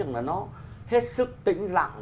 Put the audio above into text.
nó hết sức tĩnh lặng